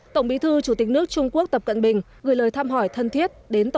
tổng bí thư chủ tịch nước trung quốc tập cận bình gửi lời thăm hỏi thân thiết đến